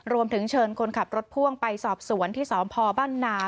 รวมถึงเชิญคนขับรถพ่วงไปสอบสวนที่สพบ้านนา